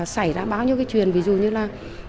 xảy ra bao nhiêu cái chuyện ví dụ như là